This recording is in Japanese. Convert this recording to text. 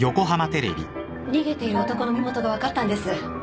逃げている男の身元が分かったんです。